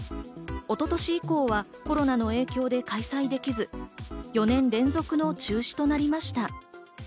一昨年以降はコロナの影響で開催できず、４年連続の中止となりました。